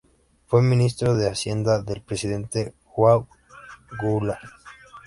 Fue ministro de hacienda del presidente João Goulart.